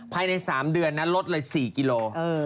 ภายใน๓เดือนนะลดเลย๔กิโล